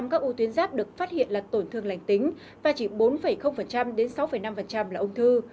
sáu mươi các ưu tuyến giáp được phát hiện là tổn thương lành tính và chỉ bốn đến sáu năm là ông thư